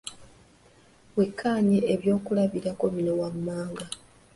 Wekkaanye eby'okulabirako bino wammanga.